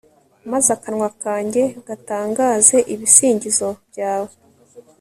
maze akanwa kanjye gatangaze ibisingizo byawe